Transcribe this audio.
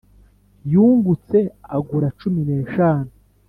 yungutse agura cumi n’eshanu.